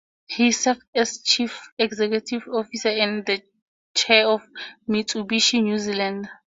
He served as chief executive officer and then chair of Mitsubishi New Zealand.